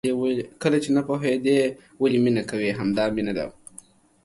کله چې نه پوهېدې ولې مینه کوې؟ همدا مینه ده.